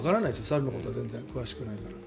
猿のことは全然詳しくないから。